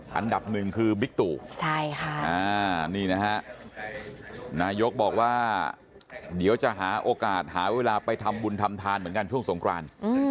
อันดับหนึ่งคือบิ๊กตู่นี่นะฮะนายกบอกว่าเดี๋ยวจะหาโอกาสหาเวลาไปทำบุญทำทานเหมือนกันช่วงสงคราน